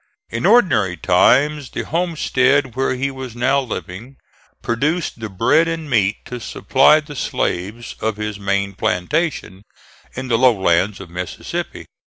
In ordinary times the homestead where he was now living produced the bread and meat to supply the slaves on his main plantation, in the low lands of Mississippi.